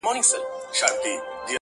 دا زړه کیسه راپاته له پلرو ده،